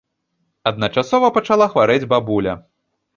Адначасова пачала хварэць бабуля.